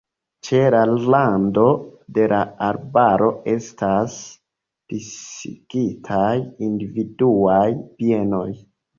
Ĉe la rando de la arbaro estas disigitaj individuaj bienoj.